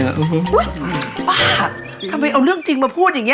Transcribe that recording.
อุ้ยบ้าจริงทำไมเอาเรื่องจริงมาพูดอย่างนี้